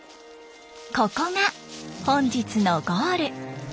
ここが本日のゴール。